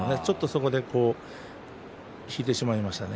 そこで引いてしまいましたね。